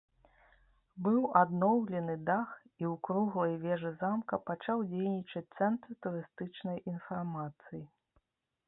Быў адноўлены дах і ў круглай вежы замка пачаў дзейнічаць цэнтр турыстычнай інфармацыі.